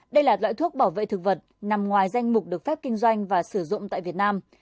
đây là loại thuốc bảo vệ thực vật nằm ngoài danh mục được phép kinh doanh và sử dụng tại việt nam